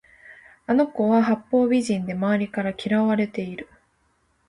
あの子は八方美人で周りから嫌われている